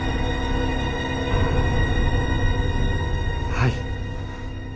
はい。